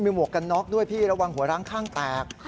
มีหมวกกันน็อกด้วยพี่ระวังหัวร้างข้างแตก